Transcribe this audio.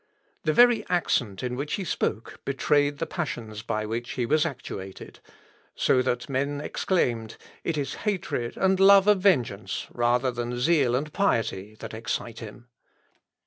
The very accent in which he spoke betrayed the passions by which he was actuated; so that men exclaimed, it is hatred and love of vengeance, rather than zeal and piety, that excite him.